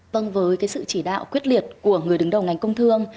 vâng với sự chỉ đạo quyết liệt của người đứng đầu ngành công thương